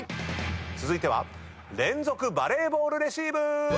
続いては連続バレーボールレシーブ！